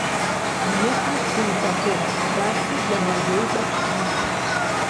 Не хачу такога шчасця для маёй дачкі!